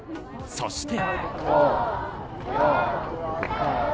そして。